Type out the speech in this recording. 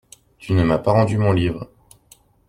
Tu ne m'as pas rendu mon livre.